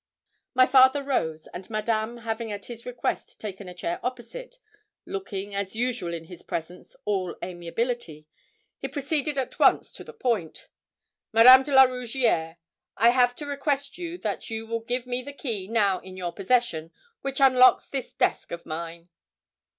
My father rose, and Madame having at his request taken a chair opposite, looking, as usual in his presence, all amiability, he proceeded at once to the point. 'Madame de la Rougierre, I have to request you that you will give me the key now in your possession, which unlocks this desk of mine.'